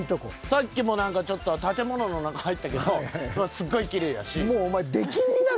さっきもちょっと建物の中入ったけどすごいきれいやし。